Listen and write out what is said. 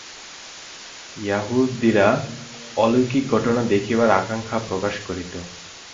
য়াহুদীরা অলৌকিক ঘটনা দেখিবার আকাঙ্ক্ষা প্রকাশ করিত।